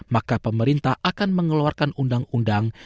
maka pemerintah akan mengeluarkan undang undang